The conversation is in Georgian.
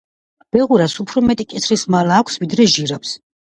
ბეღურას უფრო მეტი კისრის მალა აქვს, ვიდრე ჟირაფს.